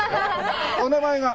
お名前が？